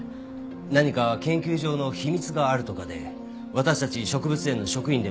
何か研究上の秘密があるとかで私たち植物園の職員でも入れなくて。